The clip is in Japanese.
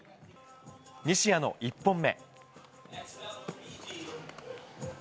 西矢の１本目。